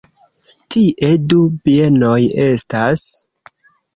Tie du bienoj estas.